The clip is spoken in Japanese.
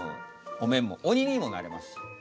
お面も鬼にもなれますし。